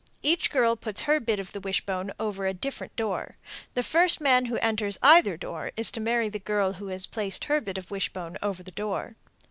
Each girl puts her bit of the wishbone over a different door. The first man who enters either door is to marry the girl who has placed her bit of wishbone over the door.